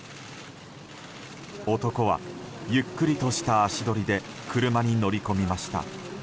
男はゆっくりとした足取りで車に乗り込みました。